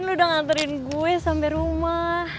lu udah nganterin gue sampai rumah